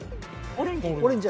オレンジ。